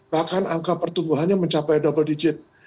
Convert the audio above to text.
bahkan angka pertumbuhannya mencapai double digit